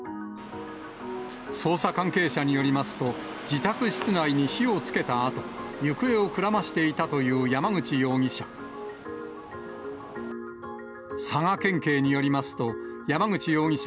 捜査関係者によりますと、自宅室内に火をつけたあと、行方をくらましていたという山口容疑者。